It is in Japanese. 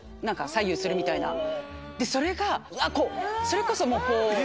それがそれこそもう。